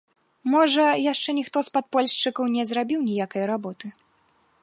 Можа, яшчэ ніхто з падпольшчыкаў не зрабіў ніякай работы.